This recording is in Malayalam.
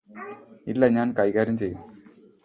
ഇല്ല ഞാന് കൈകാര്യം ചെയ്യും